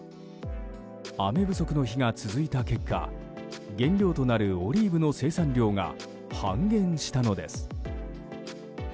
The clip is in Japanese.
雨不足の日が続いた結果原料となるオリーブの生産量が半減したのです。